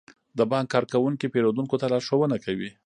د بانک کارکونکي پیرودونکو ته لارښوونه کوي.